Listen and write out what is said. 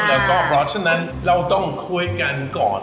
เพราะฉะนั้นเราต้องคุยกันก่อน